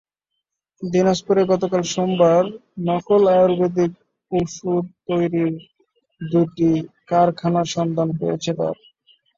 দিনাজপুরে গতকাল সোমবার নকল আয়ুর্বেদিক ওষুধ তৈরির দুটি কারখানার সন্ধান পেয়েছে র্যাব।